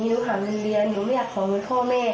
หนูหาเงินเดือนหนูไม่อยากขอเงินพ่อแม่